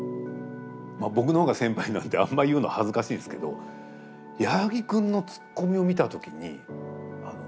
僕の方が先輩なんであんま言うの恥ずかしいんですけど矢作君のツッコミを見た時にこれありなんだと思って。